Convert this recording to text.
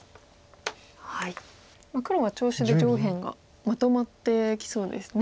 黒は調子で上辺がまとまってきそうですね。